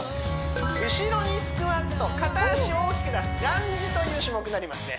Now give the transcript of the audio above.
後ろにスクワット片足大きく出すランジという種目になりますね